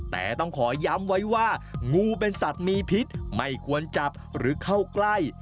แต่ต้องขอย้ำไว้ว่างูเป็นสัตว์มีพิษไม่ควรจับหรือเข้าใกล้